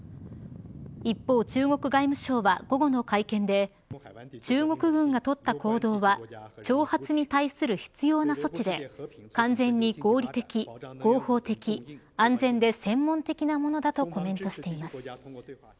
一方、中国外務省は午後の会見で中国軍がとった行動は挑発に対する必要な措置で完全に合理的、合法的安全で専門的なものだとコメントしています。